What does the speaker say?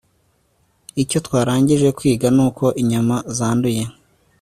icyo twarangije kwiga nuko inyama zanduye